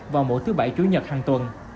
vào mỗi thứ bảy chủ nhật hàng tuần